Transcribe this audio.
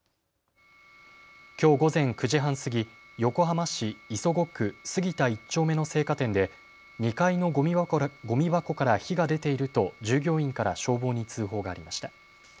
きょう午前９時半過ぎ、横浜市磯子区杉田１丁目の青果店で２階のごみ箱から火が出ていると従業員から消防に通報がありました。